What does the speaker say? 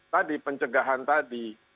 tadi pencegahan tadi